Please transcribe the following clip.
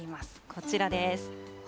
こちらです。